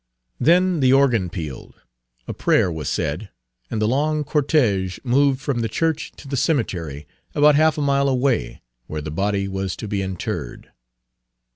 Then the organ pealed, a prayer was said, and the long cortége moved from the church to the cemetery, about half a mile away, where the body was to be interred.